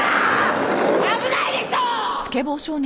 危ないでしょう！！